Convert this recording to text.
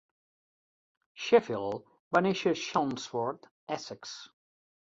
Sheffield va néixer a Chelmsford, Essex.